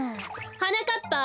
はなかっぱ。